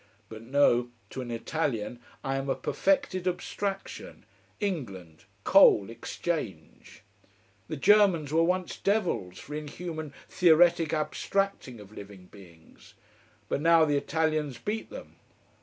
But no to an Italian I am a perfected abstraction, England coal exchange. The Germans were once devils for inhuman theoretic abstracting of living beings. But now the Italians beat them.